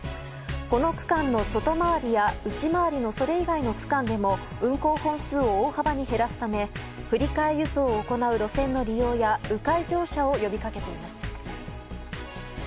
この区間の外回りや内回りのそれ以外の区間でも運行本数を大幅に減らすため振り替え輸送を行う路線の利用や迂回乗車を呼び掛けています。